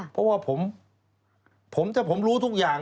เพราะว่าผมถ้าผมรู้ทุกอย่าง